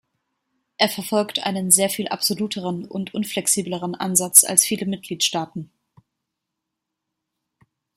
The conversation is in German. Er verfolgt einen sehr viel absoluteren und unflexibleren Ansatz als viele Mitgliedstaaten.